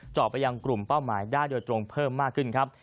ไปยังกลุ่มเป้าหมายได้โดยตรงเพิ่มมากขึ้นครับ